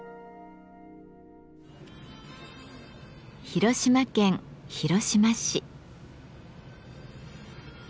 広島県広島市。